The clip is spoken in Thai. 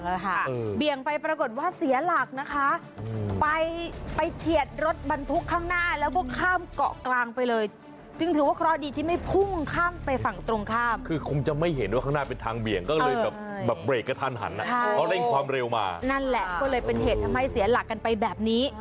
นั่นแหละก็เลยเป็นเหตุทำให้เสียหลักถึงไปแบบนี้